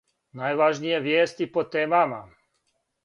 Најважније вијести по темама